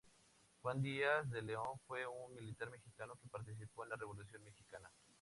Juan Díaz de León fue un militar mexicano que participó en la Revolución mexicana.